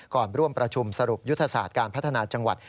ร่วมประชุมสรุปยุทธศาสตร์การพัฒนาจังหวัด